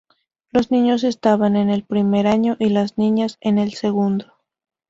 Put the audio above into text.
Los niños estaban en el primer año y las niñas en el segundo.